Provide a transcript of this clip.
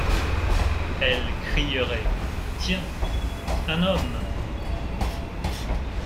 Elles crieraient: Tiens! un homme !